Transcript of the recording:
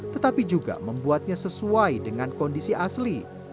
tetapi juga membuatnya sesuai dengan kondisi asli